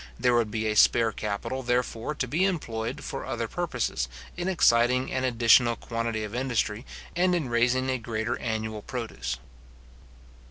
There would be a spare capital, therefore, to be employed for other purposes, in exciting an additional quantity of industry, and in raising a greater annual produce.